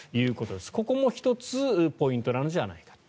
ここも１つポイントなんじゃないかと。